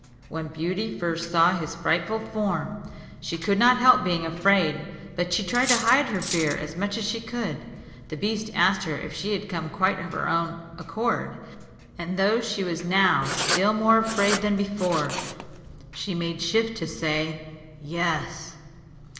When Beauty first saw his frightful form, she could not help being afraid; but she tried to hide her fear as much as she could. The beast asked her if she had come quite of her own accord, and though she was now still more afraid than before, she made shift to say, "Y e s."